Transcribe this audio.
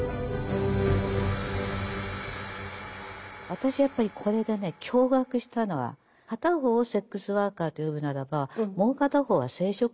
私やっぱりこれでね驚愕したのは片方をセックスワーカーと呼ぶならばもう片方は生殖労働者。